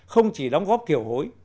không chỉ đóng góp kiểu hối